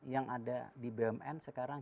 yang ada di bumn sekarang